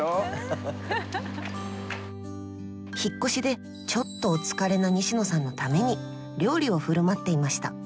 引っ越しでちょっとお疲れな西野さんのために料理を振る舞っていました。